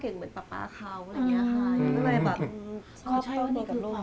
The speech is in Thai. ของคุณยายถ้วน